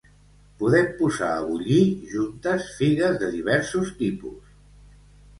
Podem posar a bullir juntes figues de diversos tipus.